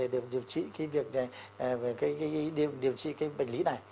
để điều trị cái việc này điều trị cái bệnh lý này